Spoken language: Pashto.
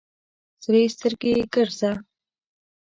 سرې سترګې ګرځه.